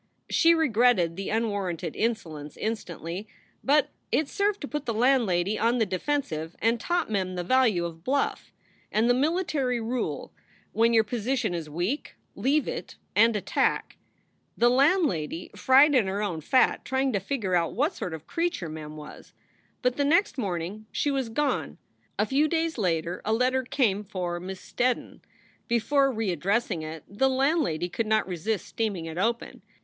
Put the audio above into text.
She regretted the unwarranted insolence instantly, but it served to put the landlady on the defensive and taught Mem the value of bluff, and the military rule: when your position is weak, leave it and attack. The landlady fried in her own fat trying to figure out what sort of creature Mem was, but the next morning she SOULS FOR SALE 99 was gone. A few days later a letter came for "Miss Sted don." Before readdressing it, the landlady could not resist steaming it open.